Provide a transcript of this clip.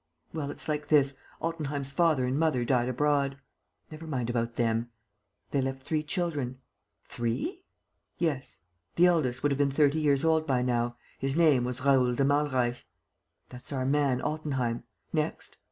"Well, it's like this: Altenheim's father and mother died abroad." "Never mind about them." "They left three children." "Three?" "Yes. The eldest would have been thirty years old by now. His name was Raoul de Malreich." "That's our man, Altenheim. Next?"